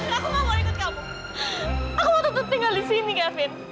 aku mau tetap tinggal di sini gavita